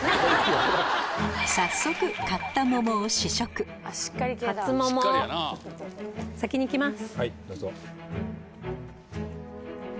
早速狩った桃を試食先に行きます。